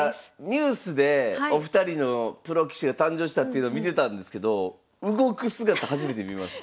ニュースでお二人のプロ棋士が誕生したっていうの見てたんですけど動く姿初めて見ます。